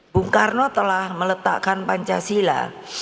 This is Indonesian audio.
bung karno telah meletakkan pancasila